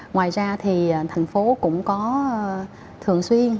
ngoài ra thì thành phố cũng có thường xuyên